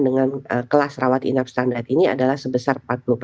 dengan kelas rawat inap standar ini adalah sebesar empat puluh delapan